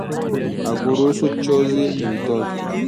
Hakuruhusu chozi limtoke